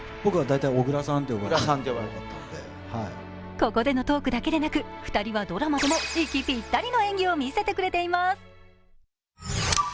ここでのトークだけでなく２人はドラマでも息ぴったりの演技を見せてくれています。